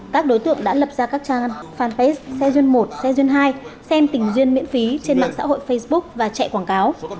các đối tượng đã lập ra các trang fanpage session một session hai xem tình duyên miễn phí trên mạng xã hội facebook và chạy quảng cáo